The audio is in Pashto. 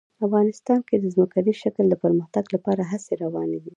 افغانستان کې د ځمکني شکل د پرمختګ لپاره هڅې روانې دي.